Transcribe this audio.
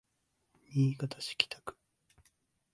新潟市北区